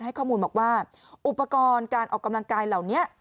ให้ข้อมูลบอกว่าอุปกรณ์การออกกำลังกายเหล่านี้